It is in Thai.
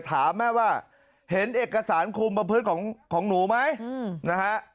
ถามแม่ว่าเห็นเอกสารคุมประพฤติของหนูไหมนะฮะ